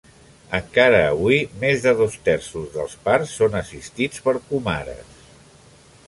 Encara avui més de dos terços dels parts són assistits per comares.